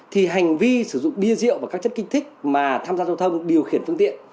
thì hành vi sử dụng bia rượu và các chất kích thích mà tham gia giao thông điều khiển phương tiện